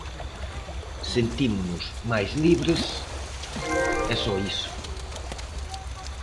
Sentímonos máis libres, e só iso.